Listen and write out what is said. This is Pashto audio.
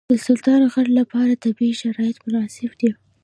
د سلیمان غر لپاره طبیعي شرایط مناسب دي.